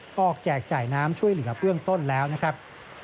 ก็แจกจ่ายน้ำช่วยเหลือเบื้องต้นแล้วนะครับ